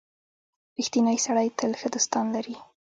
• رښتینی سړی تل ښه دوستان لري.